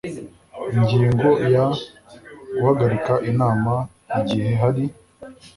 Ingingo ya Guhagarika inama igihe hari